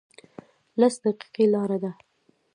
لس دقیقې لاره ده